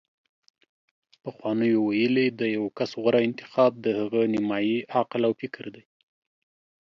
پخوانیو ویلي: د یو کس غوره انتخاب د هغه نیمايي عقل او فکر دی